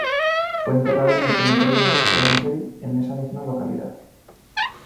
Fue enterrado en el cementerio North Cemetery, en esta misma localidad.